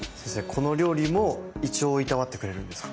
この料理も胃腸をいたわってくれるんですか？